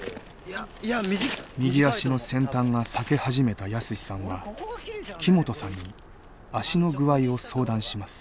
右足の先端が裂け始めた泰史さんは木本さんに足の具合を相談します。